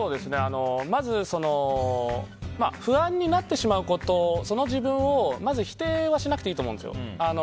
まず、不安になってしまうことその自分を、まずは否定しなくていいと思うんですよ。